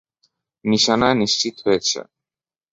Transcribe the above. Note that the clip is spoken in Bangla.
নিশানা নিশ্চিত হয়েছে।